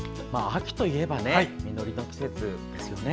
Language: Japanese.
秋といえば実りの季節ですよね。